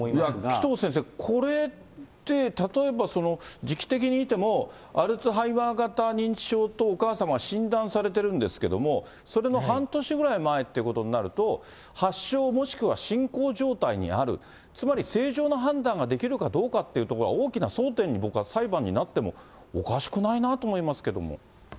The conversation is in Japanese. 紀藤先生、これって、例えば時期的に見ても、アルツハイマー型認知症とお母様は診断されてるんですけど、それの半年ぐらい前ということになると、発症、もしくは進行状態にある、つまり正常な判断ができるかどうかっていうところが大きな争点に、僕は、裁判になってもおかしくないなと思いますけれども。